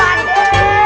ya allah pade